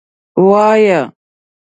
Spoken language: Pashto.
_وايه.